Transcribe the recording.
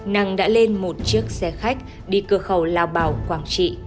năng đã lên một chiếc xe khách đi cơ khẩu lao bảo quảng trị